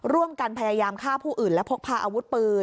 ร่วมกันพยายามฆ่าผู้อื่นและพกพาอาวุธปืน